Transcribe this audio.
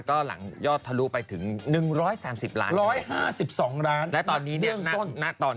ก็หลังยอดทะลุไปถึง๑๓๐ล้าน๑๕๒ล้านและตอนนี้เนี่ย